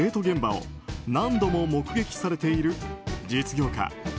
現場を何度も目撃されている実業家